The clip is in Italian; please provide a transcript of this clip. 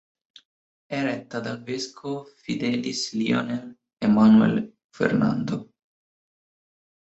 È retta dal vescovo Fidelis Lionel Emmanuel Fernando.